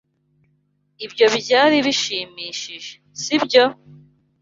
Ibyo byari bishimishije, sibyo?